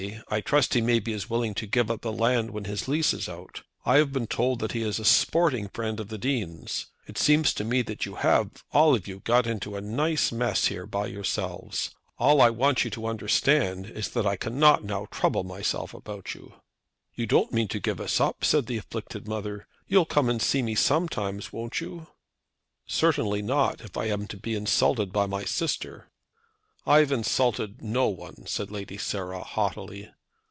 I trust he may be as willing to give up the land when his lease is out. I have been told that he is a sporting friend of the Dean's. It seems to me that you have, all of you, got into a nice mess here by yourselves. All I want you to understand is that I cannot now trouble myself about you." "You don't mean to give us up," said the afflicted mother. "You'll come and see me sometimes, won't you?" "Certainly not, if I am to be insulted by my sister." "I have insulted no one," said Lady Sarah, haughtily.